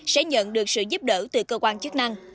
sẽ nhận được sự giúp đỡ từ cơ quan chức năng